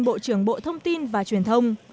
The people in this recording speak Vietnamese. bộ trưởng bộ thông tin và truyền thông